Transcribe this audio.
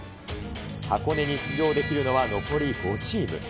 箱根に出場できるのは残り５チーム。